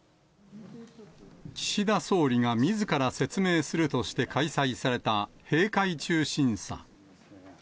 岸田総理がみずから説明するとして開催された閉会中審査。